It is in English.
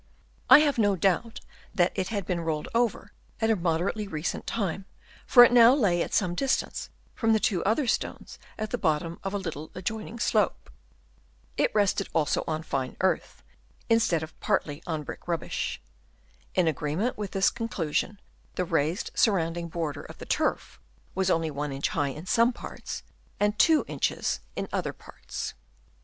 I have no doubt that it had been rolled over at a moderately recent time, for it now lay at some distance from the two other stones at the bottom of a little adjoining slope. It rested also on fine earth, instead of partly on brick rubbish. In agreement with this con clusion, the raised surrounding border of turf was only 1 inch high in some parts, and 2 inches in other parts.